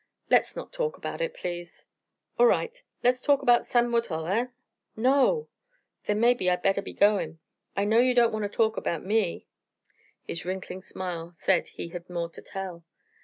"Let's not talk about it, please." "All right. Let's talk erbout Sam Woodhull, huh?" "No!" "Then mebbe I'd better be goin'. I know you don't want ter talk erbout me!" His wrinkling smile said he had more to tell.